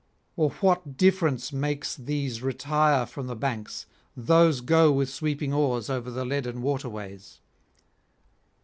or what difference makes these retire from the banks, those go with sweeping oars over the leaden waterways?'